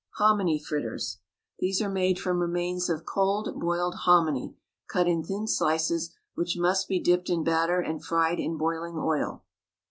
HOMINY FRITTERS. These are made from remains of cold boiled hominy, cut in thin slices, which must be dipped in batter and fried in boiling oil.